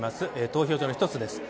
投票所の１つです。